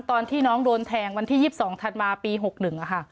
ตอนที่น้องโดนแทงวันที่๒๒ธันวาปี๖๑ค่ะ